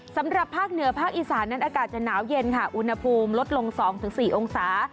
สำหรับภาคเหนือภาคอีสานนั้นอากาศจะหนาวเย็นค่ะอุณหภูมิลดลง๒๔องศา